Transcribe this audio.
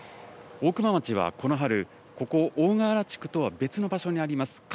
大熊町はこの春、ここ、大川原地区とは別の場所にあります